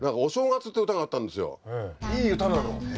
いい歌なの。